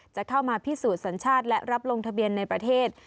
จะเข้ามาพิสูจน์สัญชาติและรับลงทะเบียนในประเทศ